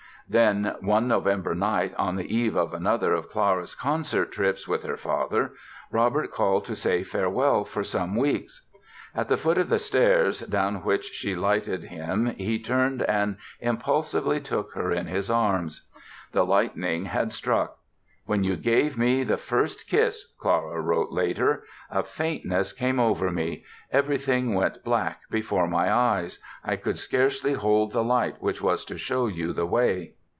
Then, one November night, on the eve of another of Clara's concert trips with her father, Robert called to say farewell for some weeks. At the foot of the stairs down which she lighted him he turned and impulsively took her in his arms. The lightning had struck. "When you gave me the first kiss", Clara wrote later, "a faintness came over me; everything went black before my eyes; I could scarcely hold the light which was to show you the way".